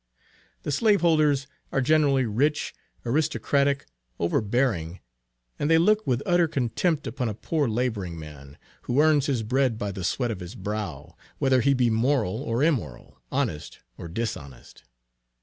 The slave holders are generally rich, aristocratic, overbearing; and they look with utter contempt upon a poor laboring man, who earns his bread by the "sweat of his brow," whether he be moral or immoral, honest or dishonest.